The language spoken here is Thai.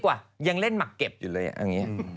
โว้ยดังนั้น